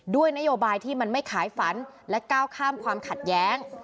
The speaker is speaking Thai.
ด้วยนโยบายที่มันไม่ขายฝันและก้าวข้ามความขัดแย้ง